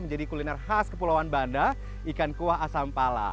menjadi kuliner khas kepulauan banda ikan kuah asam pala